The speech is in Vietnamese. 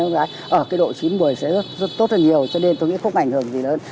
cái độ chín mùi sẽ tốt hơn nhiều cho nên tôi nghĩ không ảnh hưởng gì lớn